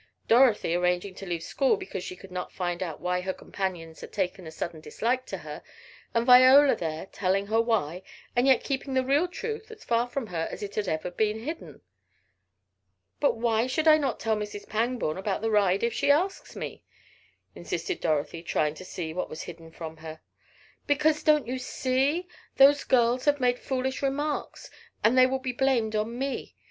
Dorothy arranging to leave school because she could not find out why her companions had taken a sudden dislike to her, and Viola there telling her why, and yet keeping the real truth as far from her as it had ever been hidden. "But why should I not tell Mrs. Pangborn about the ride if she asks me?" insisted Dorothy, trying to see what was hidden from her. "Because, don't you see, those girls may have made foolish remarks, and they will be blamed on me.